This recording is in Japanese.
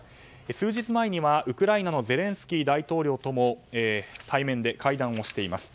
数日前にはウクライナのゼレンスキー大統領とも対面で会談しています。